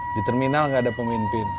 di terminal nggak ada pemimpin